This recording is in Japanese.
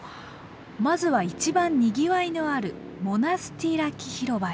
まずは一番にぎわいのあるモナスティラキ広場へ。